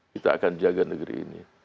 kita akan jaga negeri ini